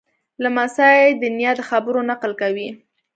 لمسی د نیا د خبرو نقل کوي.